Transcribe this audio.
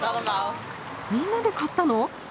みんなで買ったの！？